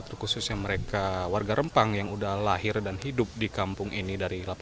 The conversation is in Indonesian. terkhususnya mereka warga rempang yang udah lahir dan hidup di kampung ini dari seribu delapan ratus tiga puluh empat